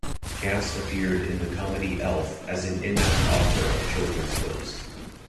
Gass appeared in the comedy "Elf" as an inept author of children's books.